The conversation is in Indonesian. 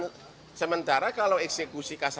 dan sementara kalau eksekusi kasasi